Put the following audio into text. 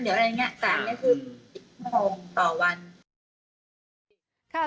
แต่อันนี้คือ๑๐โมงต่อวัน